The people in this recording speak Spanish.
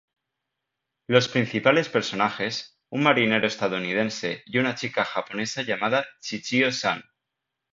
Los principales personajes; un marinero estadounidense, y una chica japonesa llamada Cio-Cio San.